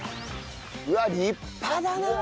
うわあ立派だなあ！